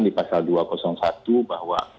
di pasal dua ratus satu bahwa